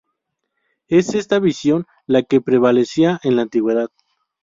Es esta visión la que prevalecía en la antigüedad.